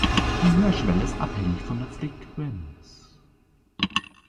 Die Hörschwelle ist abhängig von der Frequenz.